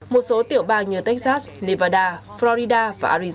một số tiểu bang như texas nevada florida và ariz